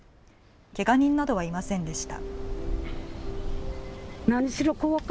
けが人などはいませんでした。